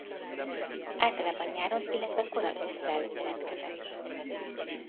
Általában nyáron illetve kora ősszel jelentkezett.